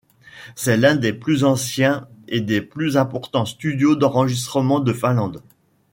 C'est l'un des plus anciens et des plus importants studios d'enregistrement de Finlande.